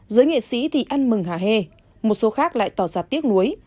giới nghệ sĩ thì ăn mừng hà hê một số khác lại tỏ ra tiếc nuối